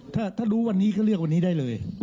ถ้ารู้วันนี้ก็เลือกวันนี้ได้เลย